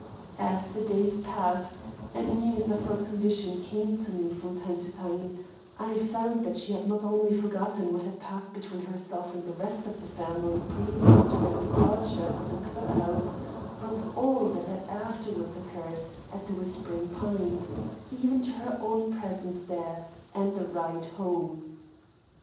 As the days passed and news of her condition came to me from time to time, I found that she had not only forgotten what had passed between herself and the rest of the family previous to their departure for the club house, but all that had afterwards occurred at The Whispering Pines, even to her own presence there and the ride home.